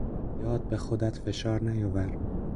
زیاد به خودت فشار نیاور!